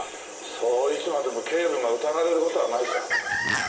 そういつまでも警部が疑われる事はないさ。